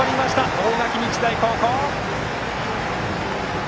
大垣日大高校！